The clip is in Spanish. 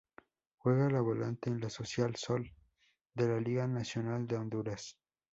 Juega de volante en el Social Sol de la Liga Nacional de Honduras.